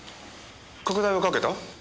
拡大はかけた？